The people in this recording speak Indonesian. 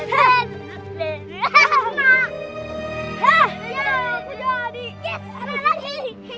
kita ambil burung itu